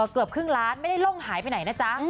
เกือบครึ่งล้านไม่ได้ล่องหายไปไหนนะจ๊ะ